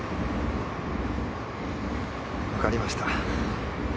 分かりました。